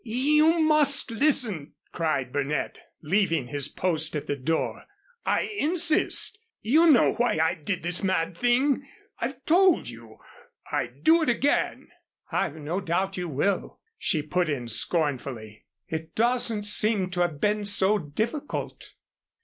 "You must listen!" cried Burnett, leaving his post at the door. "I insist. You know why I did this mad thing. I've told you. I'd do it again " "I've no doubt you will," she put in scornfully. "It doesn't seem to have been so difficult."